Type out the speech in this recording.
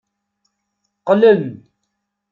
Qqlen.